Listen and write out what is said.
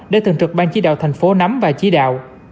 để thường trực ban chí đạo tp nắm và chí đạo